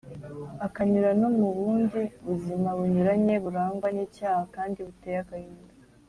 akanyura no mu bundi buzima bunyuranye burangwa n’icyaha kandi buteye agahinda.